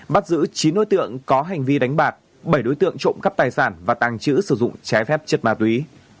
bắt giữ chín đối tượng có hành vi đánh bạc bảy đối tượng trộm cắp tài sản và tàng trữ sử dụng trái phép chất ma túy